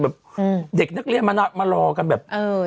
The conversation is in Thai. แบบเด็กนักเรียนมารอกันแบบเออ